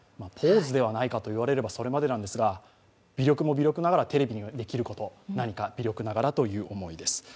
ポーズではないかと言われればそれまでなんですが、微力も微力ながらテレビにもできることを、何か微力ながらという思いです。